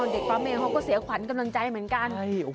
เด็กปั๊มเองเขาก็เสียขวัญกำลังใจเหมือนกัน